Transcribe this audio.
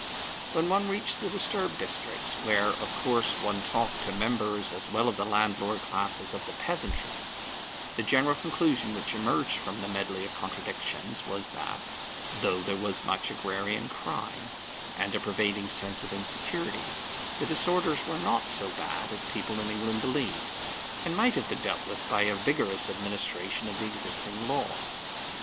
When one reached the disturbed districts, where, of course, one talked to members as well of the landlord class as of the peasantry, the general conclusion which emerged from the medley of contradictions was that, though there was much agrarian crime, and a pervading sense of insecurity, the disorders were not so bad as people in England believed, and might have been dealt with by a vigorous administration of the existing law.